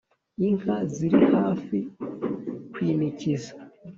inka ziri hafi kwinikiza